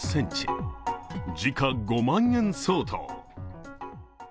時価５万円相当。